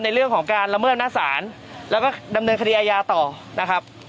ในเรื่องของการละเมิดหน้าศาลแล้วก็ดำเนินคดีอาญาต่อนะครับ